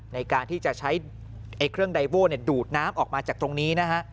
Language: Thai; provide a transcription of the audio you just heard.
ในการที่จะใช้เครื่องไดโว้ดูดน้ำออกมาจากตรงนี้นะฮะ